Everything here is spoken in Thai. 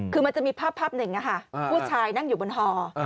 คือมันจะมีภาพหนึ่งผู้ชายนั่งอยู่บนฮอ